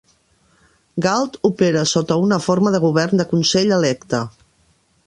Galt opera sota una forma de govern de consell electe.